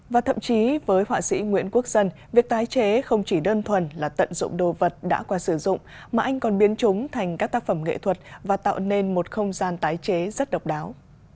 và thậm chí với họa sĩ nguyễn quốc dân việc tái chế không chỉ đơn thuần là tận dụng đồ vật đã qua sử dụng mà anh còn biến chúng thành các tác phẩm nghệ thuật và tạo nên một không gian tái chế rất độc đáo